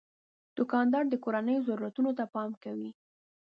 دوکاندار د کورنیو ضرورتونو ته پام کوي.